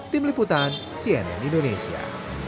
tim liputan cnn indonesia